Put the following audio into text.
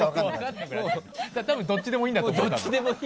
多分どっちでもいいんだと思う。